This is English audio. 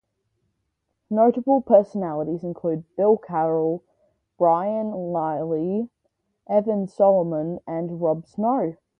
Notable personalities include Bill Carroll, Brian Lilley, Evan Solomon, and Rob Snow.